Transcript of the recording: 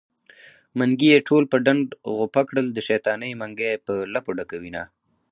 منګي يې ټول په ډنډ غوپه کړم د شيطانۍ منګی په لپو ډکوينه